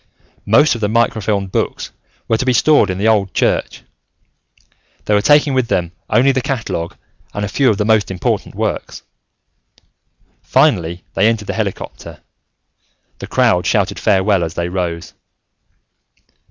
Most of the microfilmed books were to be stored in the old church. They were taking with them only the catalogue and a few of the most important works. Finally, they entered the helicopter. The crowd shouted farewell as they rose.